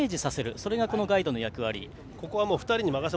それがガイドの役割です。